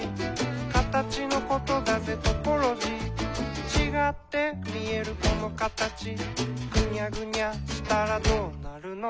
「カタチのことだぜトポロジー」「ちがってみえるこのカタチ」「ぐにゃぐにゃしたらどうなるの？」